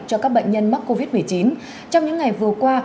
cho các bệnh nhân mắc covid một mươi chín trong những ngày vừa qua